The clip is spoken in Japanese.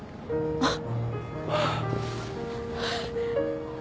あっ。